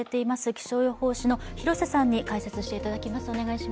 気象予報士の広瀬さんに解説していただきます。